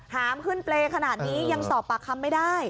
หามขึ้นเปรย์ขนาดนี้ยังสอบปากคำไม่ได้